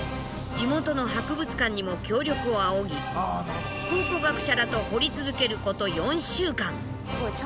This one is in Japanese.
地元の博物館にも協力を仰ぎ考古学者らと掘り続けること４週間。